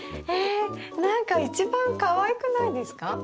え何か一番かわいくないですか？